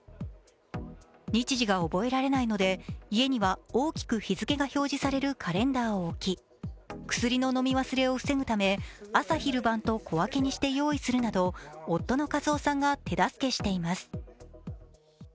日次が覚えられないので家には大きく日付が表示されるカレンダーを置き、薬の飲み忘れを防ぐため朝昼晩と小分けにして用意するなど夫の和夫さんが手助けしています。